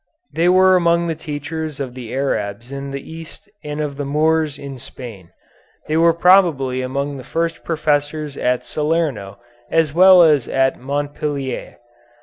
They were among the teachers of the Arabs in the East and of the Moors in Spain. They were probably among the first professors at Salerno as well as at Montpellier.